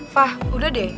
fah udah deh